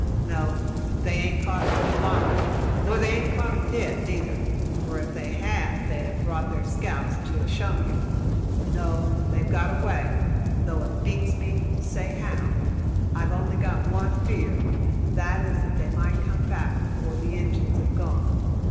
No, they aint caught 'em alive, nor they aint caught 'em dead neither; for, ef they had they'd have brought their scalps to have shown yer. No, they've got away, though it beats me to say how. I've only got one fear, and that is that they might come back before the Injuns have gone.